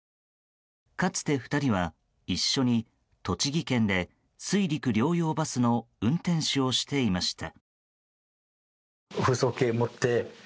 かつて２人は、一緒に栃木県で水陸両用バスの運転手をしていました。